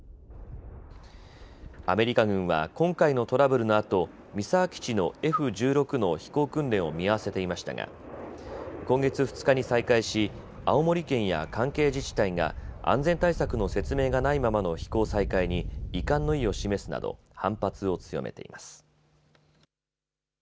アメリカ軍は今回のトラブルのあと三沢基地のＦ１６の飛行訓練を見合わせていましたが今月２日に再開し青森県や関係自治体が安全対策の説明がないままの飛行再開に遺憾の意を示すなど反発を強めています。